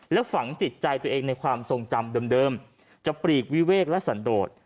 และฝังจิตใจตัวเองในความทรงจำเดิมจะปลีกวิเวกและสันโดด